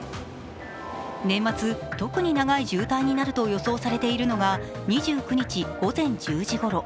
年末、特に長い渋滞になると予想されているのが２９日午前１０時ごろ。